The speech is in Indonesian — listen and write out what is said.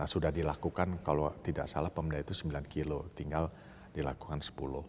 sudah dilakukan kalau tidak salah pemda itu sembilan kilo tinggal dilakukan sepuluh